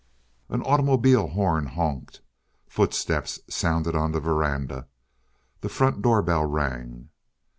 An automobile horn honked. Footsteps sounded on the verandah. The front doorbell rang.